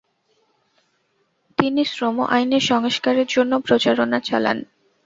তিনি শ্রম আইনের সংস্কারের জন্য প্রচারণা চালান।